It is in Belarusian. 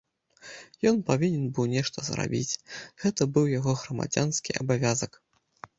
Ён павінен быў нешта зрабіць, гэта быў яго грамадзянскі абавязак.